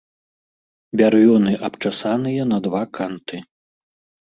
Бярвёны абчасаныя на два канты.